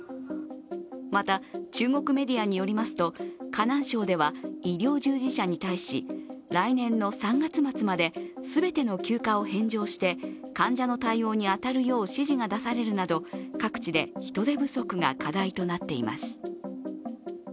また、中国メディアによりますと河南省では医療従事者に対し来年の３月末まで全ての休暇を返上して患者の対応に当たるよう指示が出されるなど各地で人手不足が課題となっています。